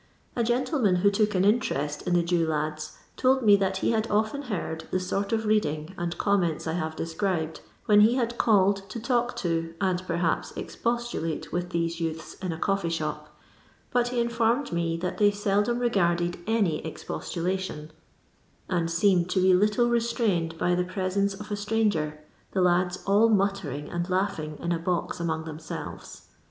A gentleman who took an interest in the Jew lads told me that he bad often heard Uie sort of reading and comments I have described, when he had cdled to talk to and perhaps expostolato with these youths in a eoffee shop, bnt he informed me that they seldom regarded any expostulation, and 124 LOXDOy LABOUR AXD THE LOXDON POOR. feemed to be little rettrained br the prefence of a itrmnger, the kdf all mattering and laughing in a box among themselTet